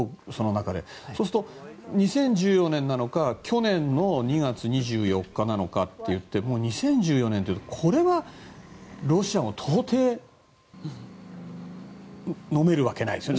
そうすると２０１４年なのか去年の２月２４日なのかといってもう２０１４年ってこれはロシアも到底のめるわけないですよね。